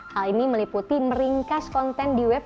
hal ini meliputi meringkas konten di web